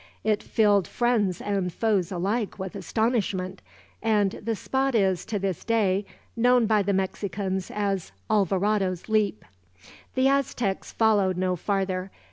It filled friends and foes alike with astonishment; and the spot is, to this day, known by the Mexicans as "Alvarado's Leap." The Aztecs followed no farther.